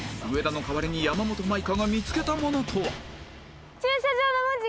上田の代わりに山本舞香が見つけたものとは？